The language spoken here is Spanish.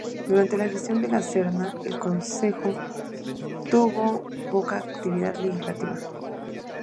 Durante la gestión de La Serna, el concejo tuvo poca actividad legislativa.